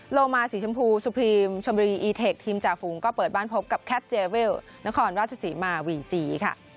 โลมาสีชมพูสุพรีมชมบุรีอีเทคทีมจ่าฝูงก็เปิดบ้านพบกับแคทเจเวลนครราชศรีมาวีซีค่ะ